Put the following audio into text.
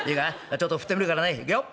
ちょっと振ってみるからねいくよ